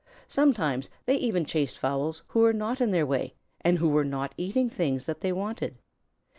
Sometimes they even chased fowls who were not in their way and who were not eating things that they wanted.